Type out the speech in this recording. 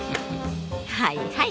はいはい